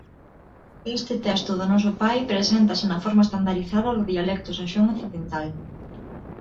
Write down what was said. Este texto do Noso Pai preséntase na forma estandarizada do dialecto saxón occidental.